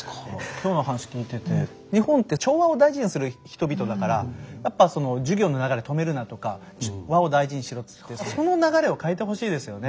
今日の話聞いてて日本って調和を大事にする人々だからやっぱその授業の流れ止めるなとか和を大事にしろってその流れを変えてほしいですよね。